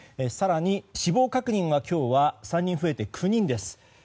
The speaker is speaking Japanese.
更に死亡確認は今日は３人増えて９人です。